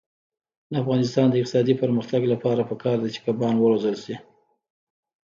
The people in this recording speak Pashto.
د افغانستان د اقتصادي پرمختګ لپاره پکار ده چې کبان وروزلت شي.